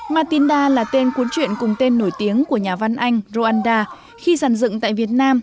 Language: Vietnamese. matinda là tên cuốn truyện cùng tên nổi tiếng của nhà văn anh randa khi giàn dựng tại việt nam